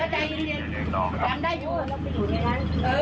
ชื่นมาทำอะไร